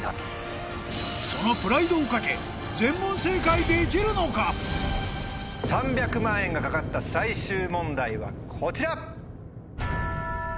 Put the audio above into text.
そのプライドを懸け３００万円が懸かった最終問題はこちら。